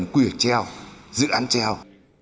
dự án treo dự án treo